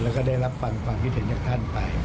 และได้รับฟังความพิเศษจากท่านไป